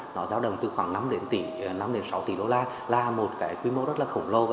nó giao đồng từ khoảng năm đến năm sáu tỷ đô la là một cái quy mô rất là khổng lồ